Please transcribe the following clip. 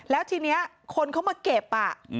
แล้วทีนี้คนเขามาเก็บ